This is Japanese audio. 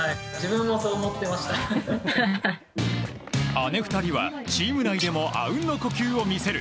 姉２人はチーム内でもあうんの呼吸を見せる。